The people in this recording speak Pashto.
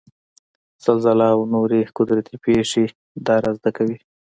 زلزله او نورې قدرتي پېښې دا رازد کوي.